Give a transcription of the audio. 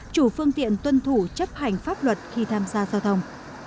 chủ phương tiện tuân thủ chấp hành pháp luật khi tham gia giao thông